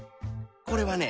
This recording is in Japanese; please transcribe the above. これはね